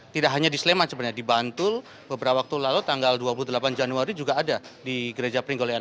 tidak hanya di sleman sebenarnya di bantul beberapa waktu lalu tanggal dua puluh delapan januari juga ada di gereja pringgolean